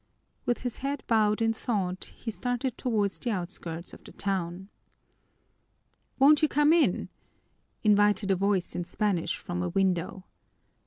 With his head bowed in thought he started toward the outskirts of the town. "Won't you come in?" invited a voice in Spanish from a window.